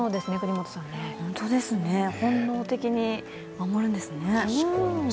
本当ですね、本能的に守るんですね。